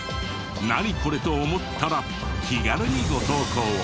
「ナニコレ？」と思ったら気軽にご投稿を。